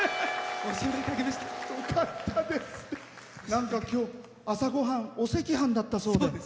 なんか今日、朝ごはんお赤飯だったそうで。